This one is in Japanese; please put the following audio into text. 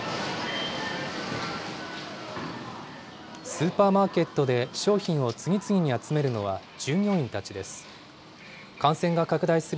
スーパーマーケットで商品を次々に集めるのは従業員たちです。